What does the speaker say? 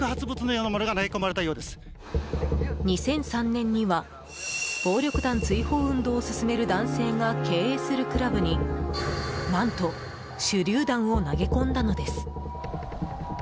２００３年には暴力団追放運動を進める男性が経営するクラブに何と、手りゅう弾を投げ込んだのです。